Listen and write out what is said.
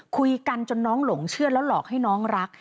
คุยกันจนน้องหลงเชื่อแล้วหลอกให้น้องรัก